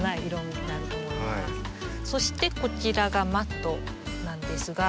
そしてこちらがマットなんですが。